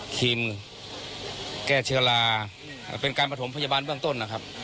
ทีมแก้เชื้อราเป็นการประถมพยาบาลเบื้องต้นนะครับ